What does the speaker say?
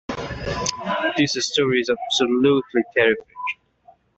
This story is absolutely terrific!